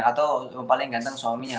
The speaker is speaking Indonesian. atau paling ganteng suaminya